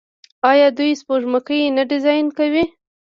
آیا دوی سپوږمکۍ نه ډیزاین کوي؟